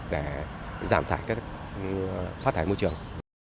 để giảm thải các phát thải môi trường